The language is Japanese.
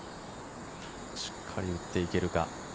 しっかり打っていけるか。